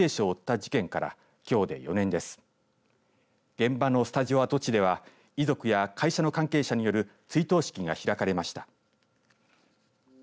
現場のスタジオ跡地では遺族や会社の関係者による追悼式が開かれました。